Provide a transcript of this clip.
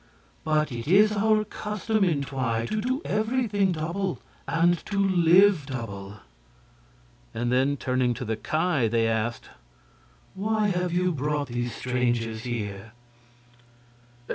But it is our custom in Twi to do everything double and to live double." Then, turning to the Ki, they asked: "Why have you brought these strangers here?"